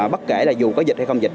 bất kể là dù có dịch hay không dịch